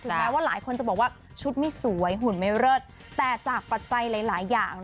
แม้ว่าหลายคนจะบอกว่าชุดไม่สวยหุ่นไม่เลิศแต่จากปัจจัยหลายอย่าง